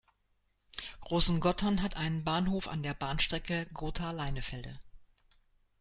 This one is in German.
Großengottern hat einen Bahnhof an der Bahnstrecke Gotha–Leinefelde.